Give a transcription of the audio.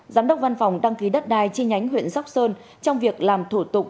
giám đốc văn phòng đăng ký đất đai chi nhánh huyện sóc sơn trong việc làm thủ tục